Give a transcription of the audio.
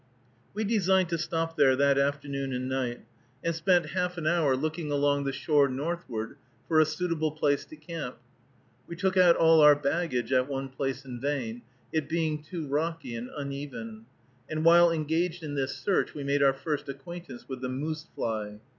We designed to stop there that afternoon and night, and spent half an hour looking along the shore northward for a suitable place to camp. We took out all our baggage at one place in vain, it being too rocky and uneven, and while engaged in this search we made our first acquaintance with the moose fly.